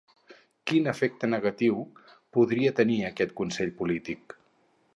Quin efecte negatiu podria tenir aquest consell polític?